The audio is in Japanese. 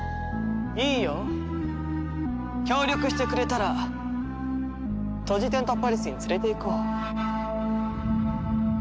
いいよ。協力してくれたらトジテンドパレスに連れて行こう。